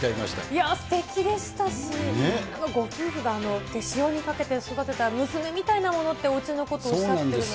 いやー、すてきでしたし、ご夫婦が手塩にかけて育てた娘みたいなものっておうちのことをおっしゃってるのが。